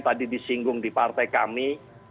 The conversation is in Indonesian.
tadi disinggung di partai kami